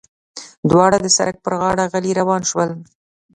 دواړه د سړک پر غاړه غلي روان شول.